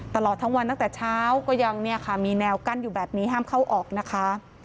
ตลอดทั้งวันตั้งแต่เช้าก็ยังเนี่ยค่ะมีแนวกั้นอยู่แบบนี้ห้ามเข้าออกนะคะ